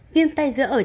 viêm tay giữa ở trẻ